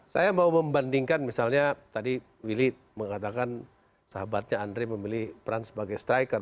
saya mau membandingkan misalnya tadi willy mengatakan sahabatnya andre memilih peran sebagai striker